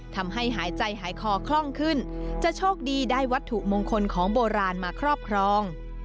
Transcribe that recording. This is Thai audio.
หายใจหายคอคล่องขึ้นจะโชคดีได้วัตถุมงคลของโบราณมาครอบครอง